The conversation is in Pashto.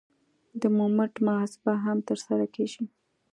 د مومنټ محاسبه هم ترسره کیږي